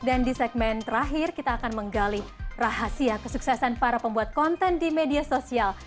dan di segmen terakhir kita akan menggali rahasia kesuksesan para pembuat konten di media sosial